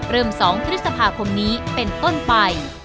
๒พฤษภาคมนี้เป็นต้นไป